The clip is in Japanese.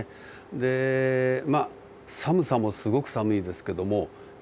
でまあ寒さもすごく寒いですけども暗いんです。